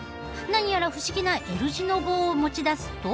何やら不思議なＬ字の棒を持ち出すと。